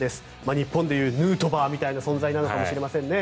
日本でいうヌートバーみたいな存在なのかもしれませんね